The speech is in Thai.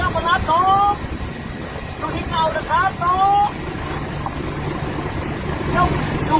อย่าอย่าอย่าอย่าอย่าอย่าอย่าอย่าอย่าอย่าอย่าอย่าอย่าอย่า